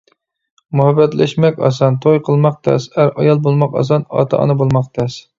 مۇھەببەتلەشمەك ئاسان، -توي قىلماق تەس، ئەر-ئايال بولماق ئاسان، -ئاتا-ئانا بولماق تەس.